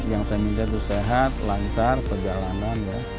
yang saya minta itu sehat lancar perjalanan ya